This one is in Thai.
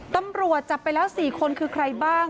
ตำรวจจับไปแล้ว๔คนคือใครบ้าง